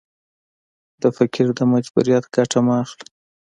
د فقیر د مجبوریت ګټه مه اخله.